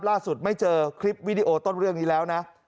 ไม่เจอคลิปวิดีโอต้นเรื่องนี้แล้วนะ